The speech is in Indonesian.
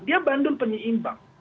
dia bandung penyeimbang